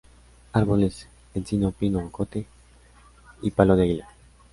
Árboles: encino, pino, ocote y palo de águila.